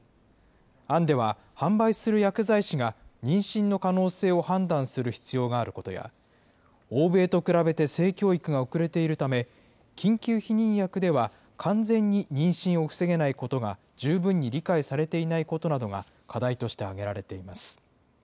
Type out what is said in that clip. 案では、販売する薬剤師が妊娠の可能性を判断する必要があることや、欧米と比べて性教育が遅れているため、緊急避妊薬では完全に妊娠を防げないことが十分に理解されていないことなどが、課題として挙げられています。